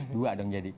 dua dong jadi